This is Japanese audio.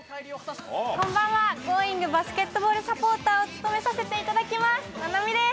こんばんは、Ｇｏｉｎｇバスケットボールサポーターを務めさせていただきます、菜波です。